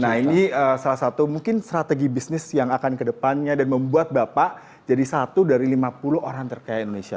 nah ini salah satu mungkin strategi bisnis yang akan kedepannya dan membuat bapak jadi satu dari lima puluh orang terkaya indonesia